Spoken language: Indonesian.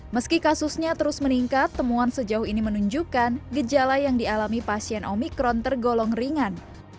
meski kasusnya terus meningkat temuan sejauh ini menunjukkan gejala yang dialami pasien omikron tergolong ringan